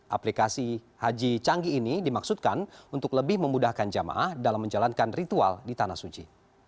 aplikasi haji canggih ini dimaksudkan untuk lebih memudahkan jamaah dalam menjalankan ritual di tanah suci